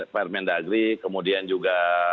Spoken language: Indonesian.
permendagri kemudian juga